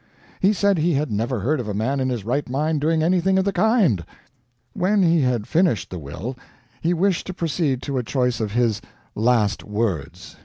He said he had never heard of a man in his right mind doing anything of the kind. When he had finished the will, he wished to proceed to a choice of his "last words."